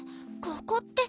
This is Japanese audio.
ここって。